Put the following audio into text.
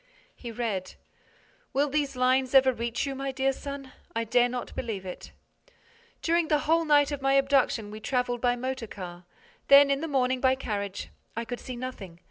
He read: Will these lines ever reach you, my dear son? I dare not believe it. During the whole night of my abduction, we traveled by motor car; then, in the morning, by carriage. I could see nothing.